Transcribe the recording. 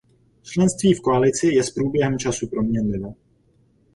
Členství v koalici je s průběhem času proměnlivé.